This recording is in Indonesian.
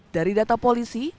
dari data polisi